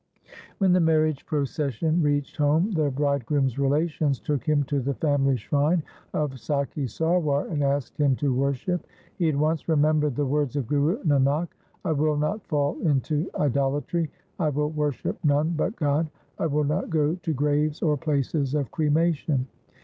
When the marriage procession reached home, the bridegroom's relations took him to the family shrine of Sakhi Sarwar and asked him to worship. He at once remembered the words of Guru Nanak: — I will not fall into idolatry ; I will worship none but God ; I will not go to graves or places of cremation.